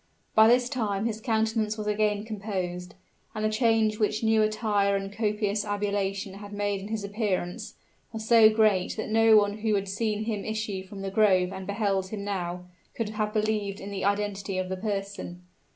By this time his countenance was again composed; and the change which new attire and copious ablution had made in his appearance, was so great that no one who had seen him issue from the grove and beheld him now, could have believed in the identity of the person.